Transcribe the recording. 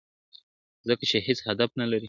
ځکه چي هیڅ هدف نه لري `